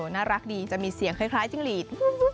น่ารักดีจะมีเสียงคล้ายจิ้งหลีด